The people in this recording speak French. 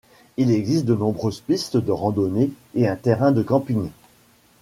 Il existe de nombreuses pistes de randonnée et un terrain de camping.